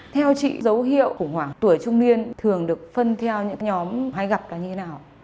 theo chị dấu hiệu của khoảng tuổi trung niên thường được phân theo những nhóm hay gặp là như thế nào